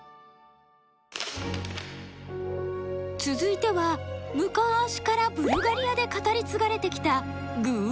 続いてはむかしからブルガリアで語り継がれてきたグぅ！